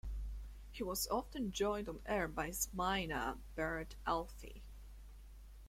He was often joined on air by his mynah bird Alfie.